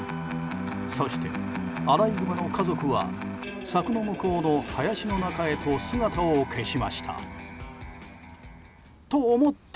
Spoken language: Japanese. そしてアライグマの家族は柵の向こうの林の中へと姿を消しました。